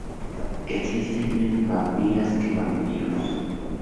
Existen menos vampiras que vampiros.